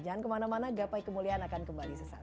jangan kemana mana gapai kemuliaan akan kembali sesaat lagi